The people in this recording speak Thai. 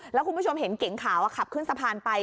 แล้วคุณผู้ชมเห็นเก๋งขาวขับขึ้นสะพานไป